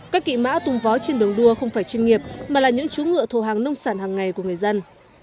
các kỵ mã tung vó trên đường đua không phải chuyên nghiệp mà là những chú ngựa thổ hàng nông sản hàng ngày của người dân